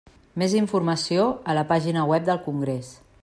Més informació a la pàgina web del congrés.